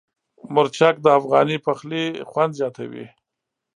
مرچک د افغاني پخلي خوند زیاتوي.